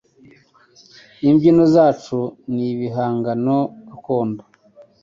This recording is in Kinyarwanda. Imbyino zacu n'ibihangano gakondo